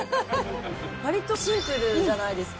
わりとシンプルじゃないですか、